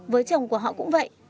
với chồng của họ cũng vậy